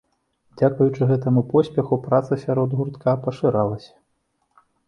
Дзякуючы гэтаму поспеху праца сярод гуртка пашырылася.